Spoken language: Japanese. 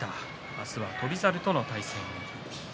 明日は翔猿との対戦。